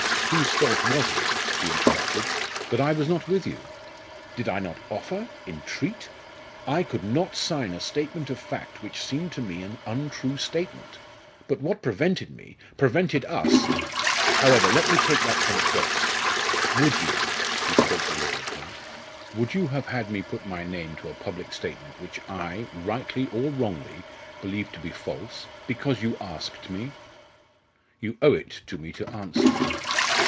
"Whose fault was it," he interrupted, "that I was not with you? Did I not offer entreat? I could not sign a statement of fact which seemed to me an untrue statement, but what prevented me prevented us. However, let me take that point first. Would you," he spoke deliberately, "would you have had me put my name to a public statement which I, rightly or wrongly, believed to be false, because you asked me? You owe it to me to answer."